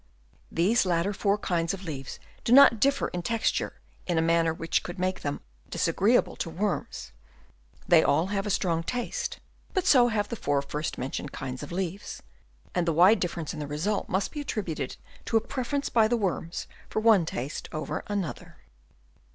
These latter four kinds of leaves do not differ in texture in a manner which could make them disagreeable to worms; they all have a strong taste, but so have the four first men tioned kinds of leaves ; and the wide differ ence in the result must be attributed to a preference by the worms for one taste over another.